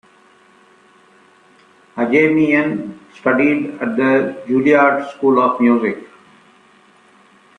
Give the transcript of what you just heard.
Ajemian studied at the Juilliard School of Music.